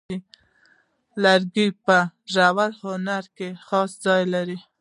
لرګی په ژور هنر کې خاص ځای لري.